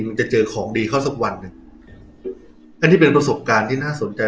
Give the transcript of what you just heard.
มันจะเจอของดีเข้าสักวันหนึ่งอันนี้เป็นประสบการณ์ที่น่าสนใจ